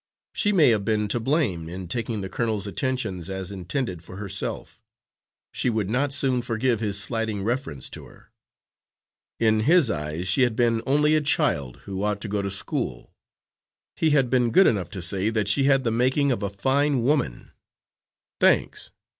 She may have been to blame in taking the colonel's attentions as intended for herself; she would not soon forgive his slighting reference to her. In his eyes she had been only a child, who ought to go to school. He had been good enough to say that she had the making of a fine woman. Thanks!